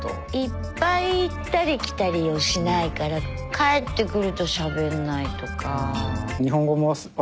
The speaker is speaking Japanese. いっぱい行ったり来たりをしないから帰ってくるとしゃべんないとか。